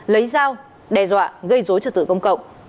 lấy dao đe dọa gây dối trật tự công cộng